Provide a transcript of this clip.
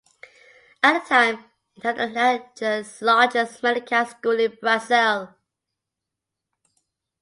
At the time it had the largest medica school in Brazil.